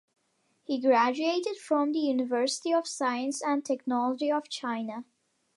He graduated from the University of Science and Technology of China.